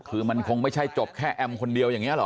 คือมันคงไม่ใช่จบแค่แอมคนเดียวอย่างนี้หรอ